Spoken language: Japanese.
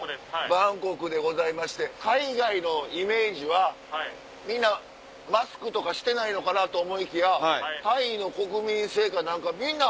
バンコクでございまして海外のイメージは皆マスクとかしてないのかなと思いきやタイの国民性か何かみんな。